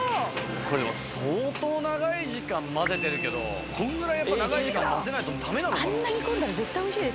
これは相当長い時間混ぜてるけどこんぐらいやっぱ長い時間混ぜないとダメなのかな？